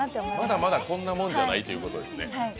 まだまだこんなもんじゃないということですね。